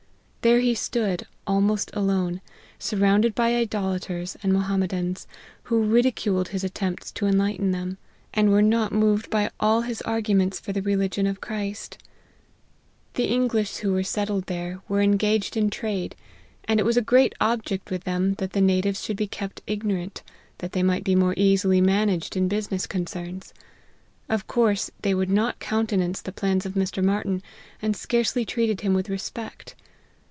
There he stood almost alone, surrounded by idolaters and Mohammedans, who ridiculed his attempts to enlighten them ; and were not moved by all his arguments for the religion of Christ. The English who were settled there, were engaged LIFE OF HENRY MARTYN. 89 in trade : and it was a great object with them, that the natives should be kept ignorant, that they might be more easily managed in business concerns. Of course, they would not countenance the plans of Mr. Martyn, and scarcely treated him with respect.